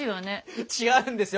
違うんですよ。